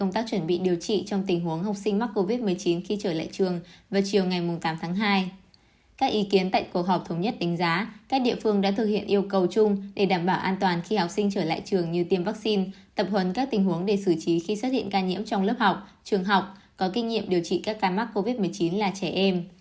các ý kiến tại cuộc họp thống nhất đánh giá các địa phương đã thực hiện yêu cầu chung để đảm bảo an toàn khi học sinh trở lại trường như tiêm vaccine tập huấn các tình huống để xử trí khi xuất hiện ca nhiễm trong lớp học trường học có kinh nghiệm điều trị các ca mắc covid một mươi chín là trẻ em